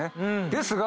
ですが。